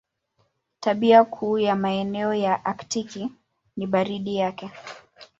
Tabia kuu ya maeneo ya Aktiki ni baridi yake.